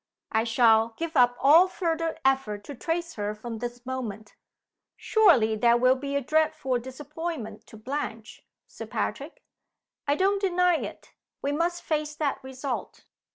I shall give up all further effort to trace her from this moment." "Surely that will be a dreadful disappointment to Blanche, Sir Patrick?" "I don't deny it. We must face that result."